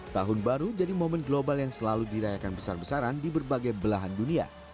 tahun baru jadi momen global yang selalu dirayakan besar besaran di berbagai belahan dunia